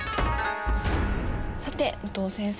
さて武藤先生